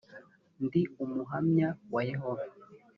ndi umuhamya wa yehova